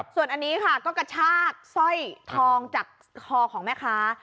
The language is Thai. ส่วนอันนี้ค่ะก็กระชากสร้อยทองจากคอของแม่ค้า